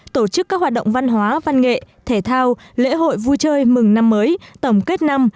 tổ chức các hoạt động văn hóa văn nghệ thể thao lễ hội vui chơi mừng năm mới tổng kết năm